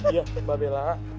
iya mbak bella